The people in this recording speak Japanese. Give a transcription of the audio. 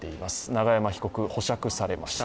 永山被告、保釈されました。